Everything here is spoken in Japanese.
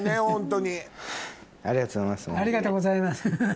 ありがとうございます。